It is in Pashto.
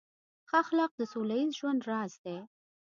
ښه اخلاق د سوله ییز ژوند راز دی.